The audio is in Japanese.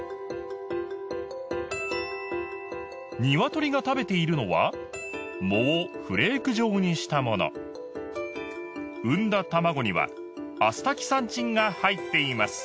ニワトリが食べているのは藻をフレーク状にしたもの生んだたまごにはアスタキサンチンが入っています